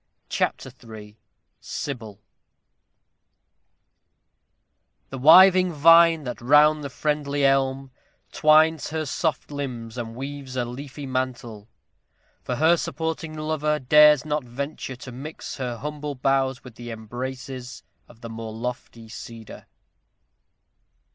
CHAPTER III SYBIL The wiving vine, that round the friendly elm Twines her soft limbs, and weaves a leafy mantle For her supporting lover, dares not venture To mix her humble boughs with the embraces Of the more lofty cedar.